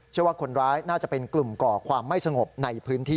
ว่าคนร้ายน่าจะเป็นกลุ่มก่อความไม่สงบในพื้นที่